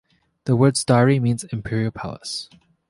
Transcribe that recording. The words "dairi" means "imperial palace".